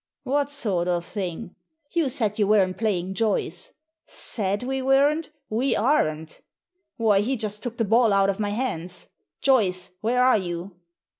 "What sort of thing?" "You said you weren't playing Joyce." " Said we weren't ! We aren't." " Why, he just took the ball out of my hands ! Joyce, where are you